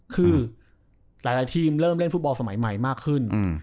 คือหลายทีมเริ่มเล่นฟุตบอลสมัยใหม่มากขึ้น